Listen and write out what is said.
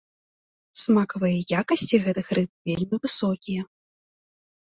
Смакавыя якасці гэтых рыб вельмі высокія.